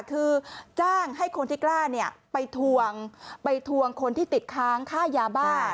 คือจ้างให้คนที่กล้าเนี่ยไปทวงไปทวงคนที่ติดค้างค่ายาบ้า